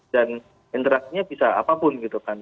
dan interaksinya bisa apapun gitu kan